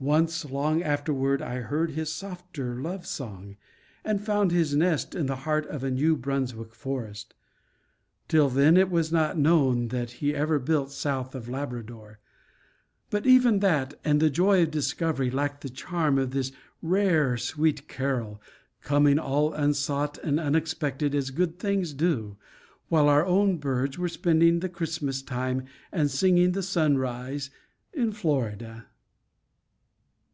Once, long afterward, I heard his softer love song, and found his nest in the heart of a New Brunswick forest. Till then it was not known that he ever built south of Labrador. But even that, and the joy of discovery, lacked the charm of this rare sweet carol, coming all unsought and unexpected, as good things do, while our own birds were spending the Christmas time and singing the sunrise in Florida.